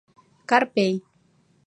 КАРПЕЙ